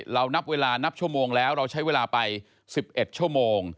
นับเวลานับชั่วโมงแล้วเราใช้เวลาไป๑๑ชั่วโมง